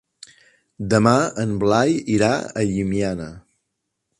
Demà en Blai irà a Llimiana.